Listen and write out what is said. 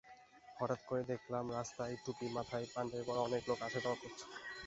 হঠাৎ করেই দেখলাম, রাস্তায় টুপি মাথায়, পাঞ্জাবি পরা অনেক লোক আসা-যাওয়া করছে।